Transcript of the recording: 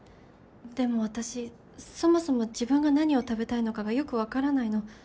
でも私そもそも自分が何を食べたいのかがよく分からないの。